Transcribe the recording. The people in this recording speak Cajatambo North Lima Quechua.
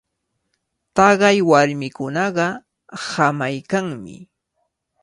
Taqay warmikunaqa hamaykanmi.